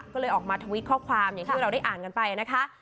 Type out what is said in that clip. ก็เลยออกมาทวิตข้อความอย่างที่เราได้อ่านกันไปนะคะ